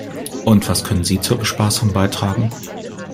Und, was können Sie zur Bespaßung beitragen?